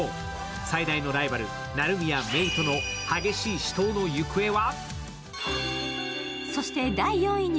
最大のライバル・成宮鳴との激しい死闘の行方は？